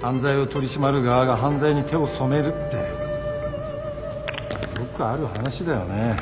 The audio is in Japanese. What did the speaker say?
犯罪を取り締まる側が犯罪に手を染めるってまあよくある話だよね。